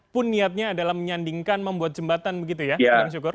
pun niatnya adalah menyandingkan membuat jembatan begitu ya bang syukur